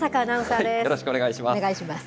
よろしくお願いします。